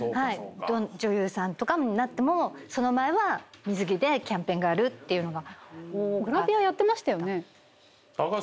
女優さんとかになってもその前は水着でキャンペーンガールっていうのが。